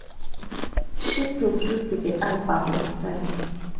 She produced the album herself.